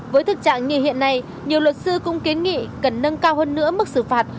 với thực trạng như hiện nay nhiều luật sư cũng kiến nghị cần nâng cao hơn nữa mức xử phạt